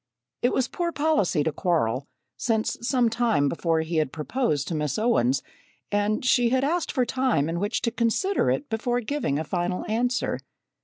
It was poor policy to quarrel, since some time before he had proposed to Miss Owens, and she had asked for time in which to consider it before giving a final answer.